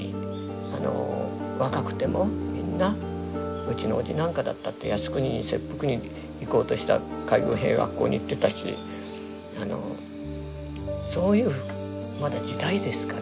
あの若くてもみんなうちのおじなんかだったって靖国に切腹に行こうとした海軍兵学校に行ってたしあのそういうまだ時代ですから。